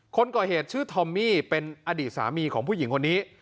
คนก่อเหตุชื่อทอมมี่เป็นอดีตสามีของผู้หญิงคนนี้